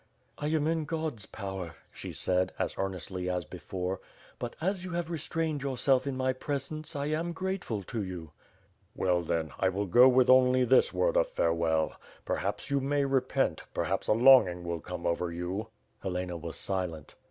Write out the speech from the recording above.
"I am in God's power," she said, as earnestly as before; "but, as you have restrained yourself in my presence, I am grateful to you." ^'Well, then, I will go with only this word of farewell. Per haps you may repent; perhaps a longing will come over you." Helena was silent.